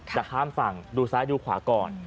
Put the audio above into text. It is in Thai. จะข้ามฝั่งดูซ้ายดูขวาก่อน